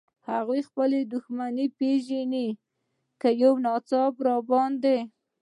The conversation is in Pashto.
هغوی خپل دښمن پېژني، که یو ناڅاپه را باندې.